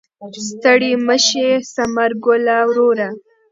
ستړی مه شې ثمر ګله وروره.